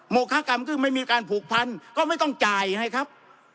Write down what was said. คากรรมก็ไม่มีการผูกพันก็ไม่ต้องจ่ายให้ครับ